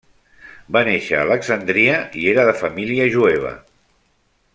Va néixer a Alexandria, i era de família jueva.